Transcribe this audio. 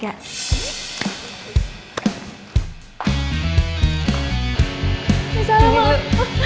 jangan jangan jangan